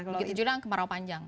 begitu juga dengan kemarau panjang